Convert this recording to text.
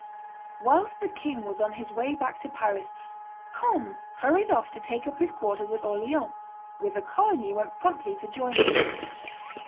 Whilst the king was on his way back to Paris, Conde hurried off to take up his quarters at Orleans, whither Coligny went promptly to join him.